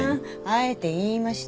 あえて言いました。